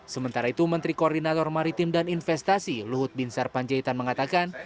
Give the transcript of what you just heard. sementara itu menteri koordinator maritim dan investasi luhut binsar panjaitan mengatakan